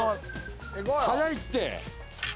早いって。